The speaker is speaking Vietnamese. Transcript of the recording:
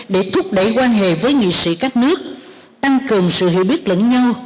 để thúc đẩy quan hệ với nghị sĩ các nước tăng cường sự hiểu biết lẫn nhau